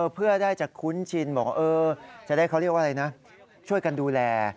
เพื่อได้จะคุ้นชินจะได้เขาช่วยกันดูแล